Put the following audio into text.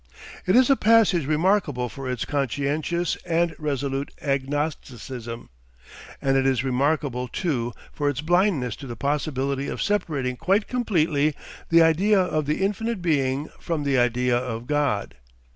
It is a passage remarkable for its conscientious and resolute Agnosticism. And it is remarkable too for its blindness to the possibility of separating quite completely the idea of the Infinite Being from the idea of God.